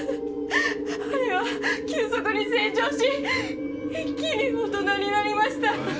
あれは急速に成長し一気に大人になりました。